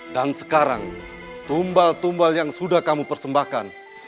dan sekarang tumbal tumbal yang sudah kamu persembahkan